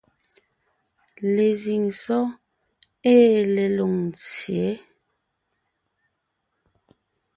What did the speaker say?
Lezíŋ sɔ́ɔn ée le Loŋtsyě,